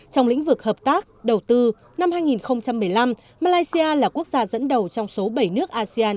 trong lĩnh vực hợp tác đầu tư năm hai nghìn một mươi năm malaysia là quốc gia dẫn đầu trong số bảy nước asean